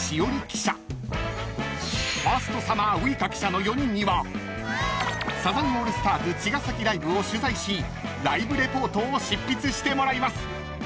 ［の４人にはサザンオールスターズ茅ヶ崎ライブを取材しライブレポートを執筆してもらいます］